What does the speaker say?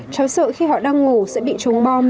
cháu sợ khi họ đang ngủ sẽ bị trúng bom